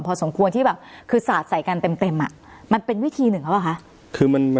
พอสมควรที่แบบคือสาดใส่กันเต็มอ่ะมันเป็นวิธีหนึ่งหรือเปล่าคะ